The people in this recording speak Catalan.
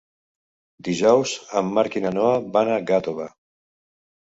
Dijous en Marc i na Noa van a Gàtova.